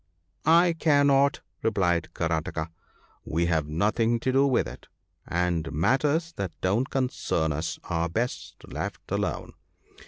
I I care not/ replied Karataka ;' we have nothing to do with it, and matters that don't concern us are best left alone.